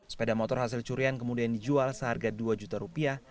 sepeda motor hasil curian kemudian dijual seharga dua juta rupiah